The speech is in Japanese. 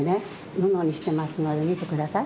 ぬのにしてますのでみてください。